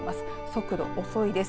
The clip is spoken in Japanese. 速度遅いです。